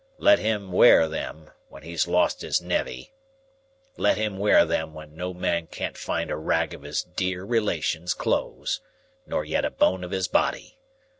Let him 'ware them, when he's lost his nevvy! Let him 'ware them, when no man can't find a rag of his dear relation's clothes, nor yet a bone of his body.